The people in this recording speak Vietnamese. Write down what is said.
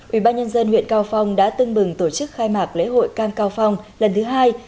ủy ban nhân dân huyện cao phong đã tương bừng tổ chức khai mạc lễ hội cam cao phong lần thứ hai